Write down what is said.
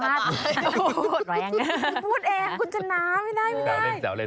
แรงพูดเองคุณชนะไม่ได้